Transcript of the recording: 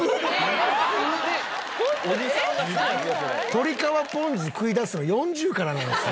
鶏皮ポン酢食いだすの４０からなんですよ。